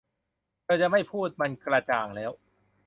เธอจะไม่พูด มันกระจ่างแล้ว